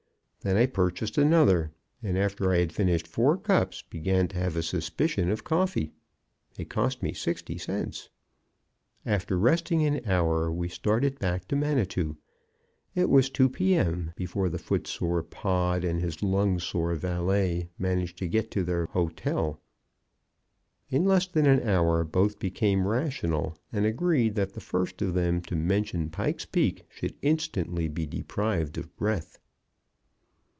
Then I purchased another, and after I had finished four cups began to have a suspicion of coffee. It cost me sixty cents. After resting an hour we started back to Manitou. It was two p. m. before the foot sore Pod and his lung sore valet managed to get to their hotel. In less than an hour both became rational, and agreed that the first of them to mention Pike's Peak should instantly be deprived of breath.